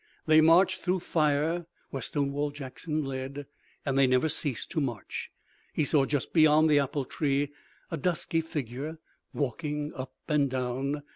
They marched through fire, where Stonewall Jackson led, and they never ceased to march. He saw just beyond the apple tree a dusky figure walking up and down.